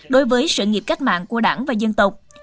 đối với sự nghiệp cách mạng của đảng và dân tộc